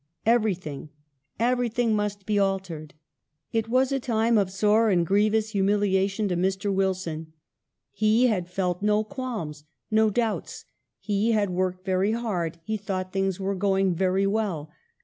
Every thing, everything must be altered. It was a time of sore and grievous humiliation to Mr. Wilson. He had felt no qualms, no doubts ; he had worked very hard, he thought things were going very well.